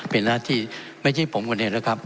เป็นหน้าที่ไม่ใช่ผมคนเองนะครับ